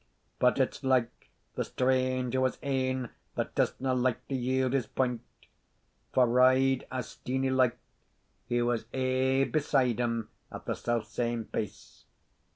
But it's like the stranger was ane that doesna lightly yield his point; for, ride as Steenie liked, he was aye beside him at the selfsame pace.